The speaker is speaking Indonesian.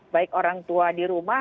baik orang tua di rumah